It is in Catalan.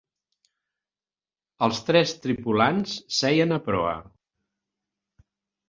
Els tres tripulants seien a proa.